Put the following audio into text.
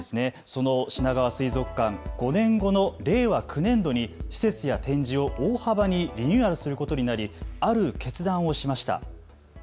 そのしながわ水族館、５年後の令和９年度に施設や展示を大幅にリニューアルすることになりある決断をしました。